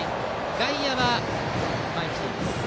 外野は前に来ています。